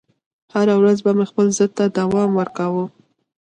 هره ورځ به مې خپل ضد ته دوام ورکاوه